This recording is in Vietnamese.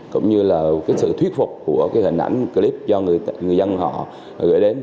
cũng như là sự thuyết phục của hình ảnh clip do người dân họ gửi đến